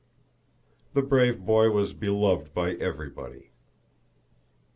The brave boy was beloved by everybody.